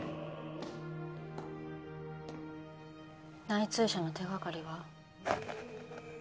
内通者の手がかりは？